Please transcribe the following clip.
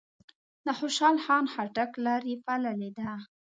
د خوشحال خان خټک لار یې پاللې ده.